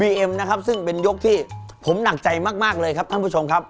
เอ็มนะครับซึ่งเป็นยกที่ผมหนักใจมากมากเลยครับท่านผู้ชมครับ